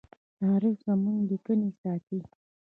تاریخ زموږ لیکنې ساتي.